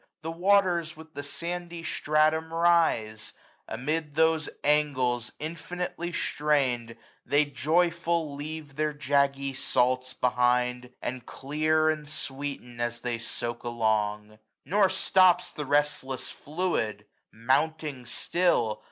The waters with the sandy stratum rise; Amid whose angles infinitely strained, f4^ They joyful leave their jaggy salts behind. And clear and sweeten, as they soak along* Nor stops the restless fluid, mounting still.